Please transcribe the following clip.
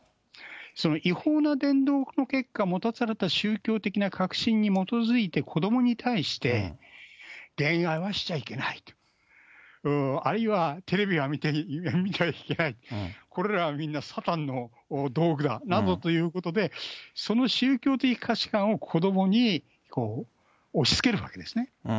その違法な伝道の結果持たされた宗教的な確信に基づいて子どもに対して、恋愛はしちゃいけない、あるいは、テレビは見てはいけない、これらはみんなサタンの道具だなどということで、その宗教的価値観を子どもに押しつけるわけですね。